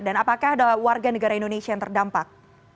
dan apakah ada warga negara indonesia yang terdampak